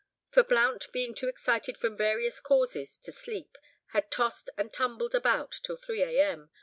For Blount being too excited from various causes to sleep, had tossed and tumbled about till 3 a.m.